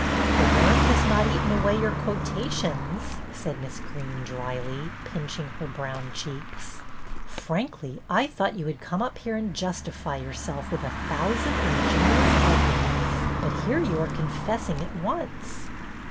" The worm has not eaten away your quo tations," said Miss Greene, dryly, pinching her brown cheeks. " Frankly, I thought you would come up here and justify yourself with a thousand ingenious arguments, but here you are confessing at once."